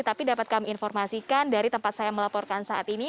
tapi dapat kami informasikan dari tempat saya melaporkan saat ini